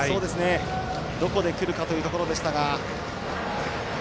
どこでくるかというところでしたが。